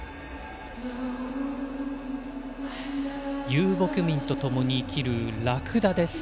遊牧民と共に生きるラクダです。